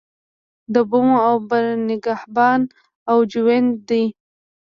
د بوم او بر نگهبان او جوینده دی.